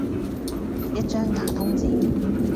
一張瓦通紙